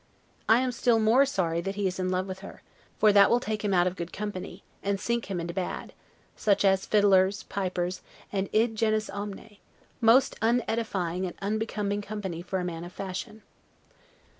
I am still more sorry that he is in love with her; for that will take him out of good company, and sink him into bad; such as fiddlers, pipers, and 'id genus omne'; most unedifying and unbecoming company for a man of fashion!